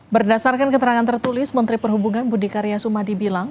berdasarkan keterangan tertulis menteri perhubungan budi karya sumadi bilang